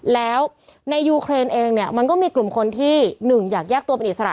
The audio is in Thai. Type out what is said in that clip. แล้วในยูเครนเองเนี่ยมันก็มีกลุ่มคนที่๑อยากแยกตัวเป็นอิสระ